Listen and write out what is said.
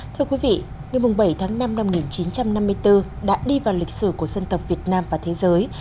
thưa quý vị ngày bảy tháng năm năm một nghìn chín trăm năm mươi bốn đã đi vào lịch sử của dân tộc việt nam và thế giới